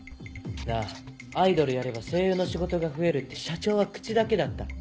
なぁアイドルやれば声優の仕事が増えるって社長は口だけだった。